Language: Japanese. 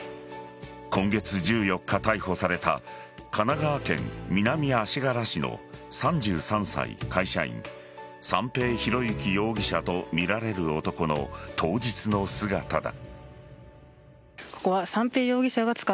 今月１４日、逮捕された神奈川県南足柄市の３３歳会社員三瓶博幸容疑者とみられる男の当日の姿だ。